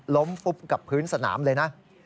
ฟุบกับพื้นสนามเลยนะ